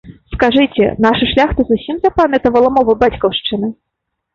Скажыце, наша шляхта зусім запамятала мову бацькаўшчыны?